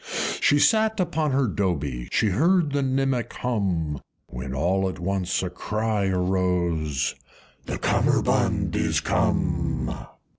IV. She sate upon her Dobie, She heard the Nimmak hum, When all at once a cry arose, "The Cummerbund is come!"